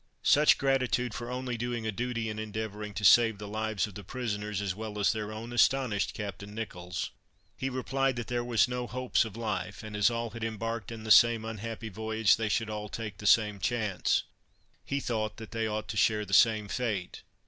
Such gratitude for only doing a duty in endeavoring to save the lives of the prisoners, as well as their own, astonished Captain Nicholls; he replied, that there was no hopes of life, and as all had embarked in the same unhappy voyage, they should all take the same chance. He thought that they ought to share the same fate.